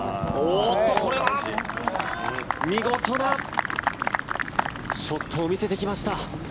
これは見事なショットを見せてきました。